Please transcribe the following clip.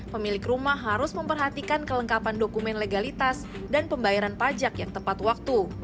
pemilik rumah harus memperhatikan kelengkapan dokumen legalitas dan pembayaran pajak yang tepat waktu